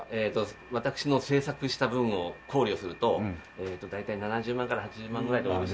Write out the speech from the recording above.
私の制作した分を考慮すると大体７０万から８０万ぐらいでお売りしてます。